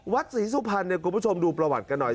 ศรีสุพรรณเนี่ยคุณผู้ชมดูประวัติกันหน่อย